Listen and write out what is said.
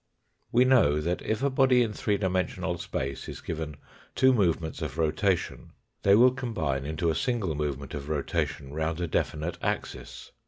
We know that if a body in three dimensional space is given two movements of rotation they will combine into a single movement of rotation round a definite axis.